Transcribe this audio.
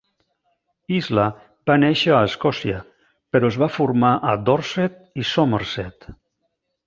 Isla va néixer a Escòcia, però es va formar a Dorset i Somerset.